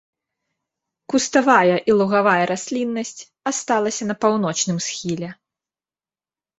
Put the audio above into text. Куставая і лугавая расліннасць асталася на паўночным схіле.